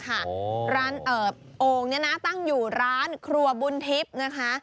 โอ้โหร้านเอิบองค์เนี้ยนะตั้งอยู่ร้านครัวบุญทิศนะคะ